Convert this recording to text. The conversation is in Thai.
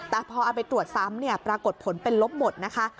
แต่พอเอาไปตรวจซ้ำเนี่ยปรากฏผลเป็นลบหมดนะคะ